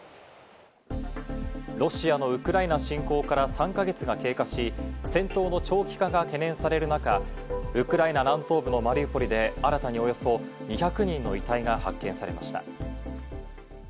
ロシアのウクライナ侵攻から３か月が経過し、戦闘の長期化が懸念される中、ウクライナ南東部のマリウポリで新たにおよそ２００人の遺体が発見されました。